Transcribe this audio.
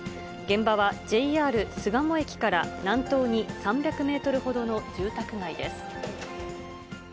現場はＪＲ巣鴨駅から南東に３００メートルほどの住宅街です。